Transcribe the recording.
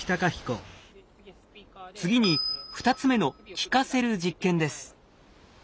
次に２つ目の聞かせる実験です。